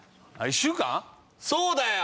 そうだよ。